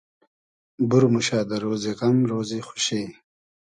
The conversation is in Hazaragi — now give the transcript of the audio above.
بور موشۂ دۂ رۉزی غئم رۉزی خوشی